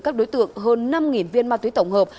các đối tượng hơn năm viên ma túy tổng hợp